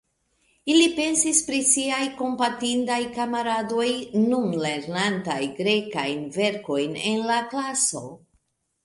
Ili pensis pri siaj kompatindaj kamaradoj, nun lernantaj grekajn verbojn en la klaso.